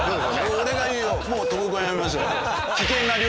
俺が言うよ。